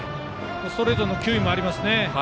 ストレートの球威もありますね。